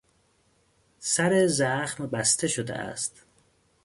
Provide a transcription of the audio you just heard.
سر زخم بسته شده است.